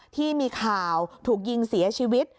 ที่มีข่าวถูกยิงเสียชีวิต